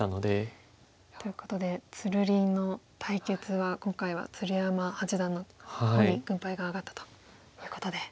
ということでつるりんの対決は今回は鶴山八段の方に軍配が上がったということで。